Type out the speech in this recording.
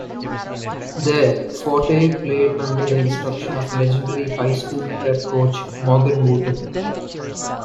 There, Forte played under the instruction of legendary high school prep coach Morgan Wootten.